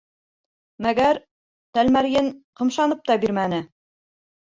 Мәгәр Тәлмәрйен ҡымшанып та бирмәне.